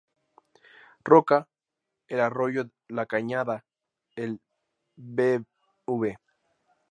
Roca, el Arroyo La Cañada, el Bv.